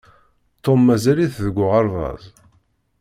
Tom mazal-it deg uɣerbaz.